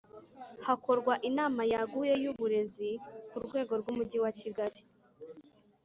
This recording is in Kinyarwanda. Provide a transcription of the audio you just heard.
Hakorwa inama yaguye y’uburezi ku rwego rw’Umujyi wa Kigali